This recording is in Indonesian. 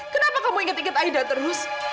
kenapa kamu ingat ingat aida terus